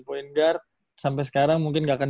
point guard sampai sekarang mungkin nggak akan